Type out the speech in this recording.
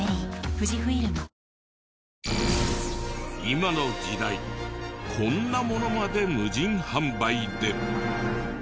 今の時代こんなものまで無人販売で。